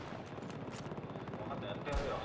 分かったやってやるよ。